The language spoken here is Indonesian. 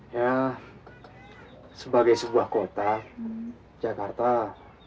ya sebagai sebuah kota jakarta cukup luas